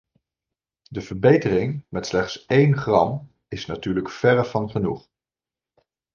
De verbetering met slechts één gram is natuurlijk verre van genoeg.